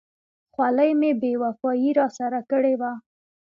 خولۍ مې بې وفایي را سره کړې وه.